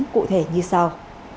cụ thể như sau